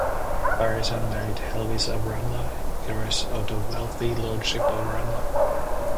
Barisan married Helvis of Ramla, heiress of the wealthy lordship of Ramla.